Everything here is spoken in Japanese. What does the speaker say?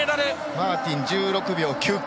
マーティン、１６秒９９。